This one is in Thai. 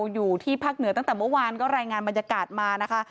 อยู่ที่ภาคเหนือตั้งแต่เมื่อวานก็รายงานบรรยากาศมานะคะ